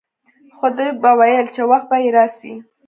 خو ده به ويل چې وخت به يې راسي.